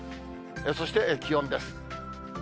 そして気温です。